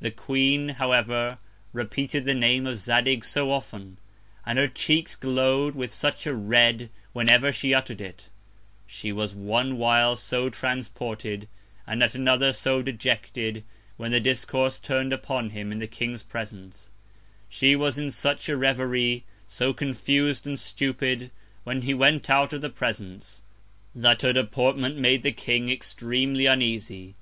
The Queen, however, repeated the Name of Zadig so often, and her Cheeks glow'd with such a red, when ever she utter'd it; she was one while so transported, and at another, so dejected, when the Discourse turn'd upon him in the King's Presence; she was in such a Reverie, so confus'd and stupid, when he went out of the Presence, that her Deportment made the King extremely uneasy.